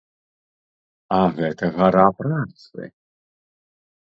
А гэта гара працы.